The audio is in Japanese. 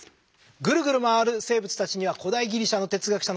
ぐるぐる回る生物たちには古代ギリシャの哲学者の言葉がぴったりです。